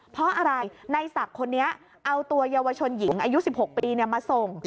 เพราะอะไรในศักดิ์คนนี้เอาตัวเยาวชนหญิงอายุ๑๖ปีมาส่ง